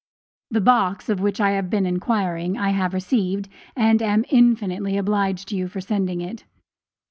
The box, of which I had been inquiring, I have received, and am infinitely obliged to you for sending it.